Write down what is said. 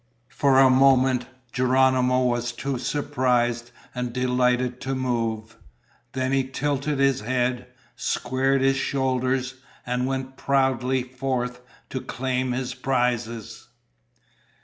For a moment Geronimo was too surprised and delighted to move. Then he tilted his head, squared his shoulders, and went proudly forth to claim his prizes.